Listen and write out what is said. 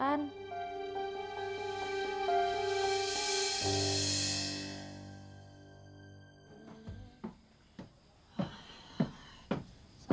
aku nggak mau dituduh ngerebut kamu tan